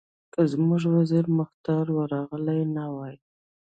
که زموږ وزیر مختار ورغلی نه وای.